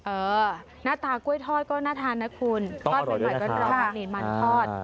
เออหน้าตากล้วยทอดก็น่าทานนะคุณต้องอร่อยด้วยนะครับ